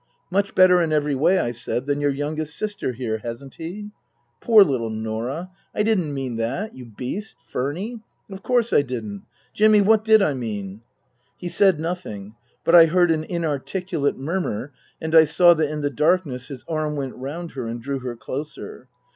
" Much better in every way," I said, " than your youngest sister here, hasn't he ?" 11 Poor little Norah ! I didn't mean that you beast Furny ! Of course I didn't. Jimmy what did I mean ?" He said nothing. But I heard an inarticulate murmur, and I saw that in the darkness his arm went round her and drew her closer.